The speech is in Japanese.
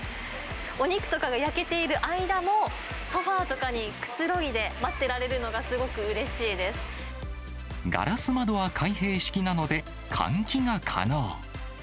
お肉とかが焼けている間も、ソファーとかにくつろいで待ってガラス窓は開閉式なので、換気が可能。